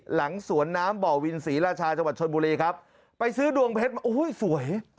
หลังสวนน้ำบ่อวินศรีราชาจังหวัดชนบุรีครับไปซื้อดวงเพชรมาโอ้ยสวย